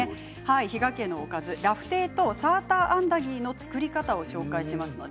比嘉家のおかずラフテーとサーターアンダギー作り方を紹介します。